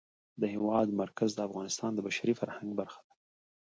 د هېواد مرکز د افغانستان د بشري فرهنګ برخه ده.